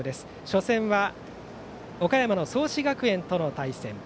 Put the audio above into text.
初戦は岡山の創志学園との対戦。